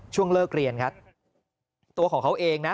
ช่วงเลิกเรียนครับตัวของเขาเองนะ